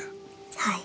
はい。